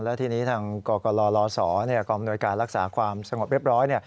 และทีนี้ทางกกลศกองอำนวยการรักษาความสงบเรียบร้อย